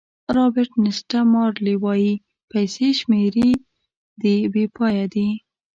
رابرټ نیسټه مارلې وایي پیسې شمېرې دي بې پایه دي.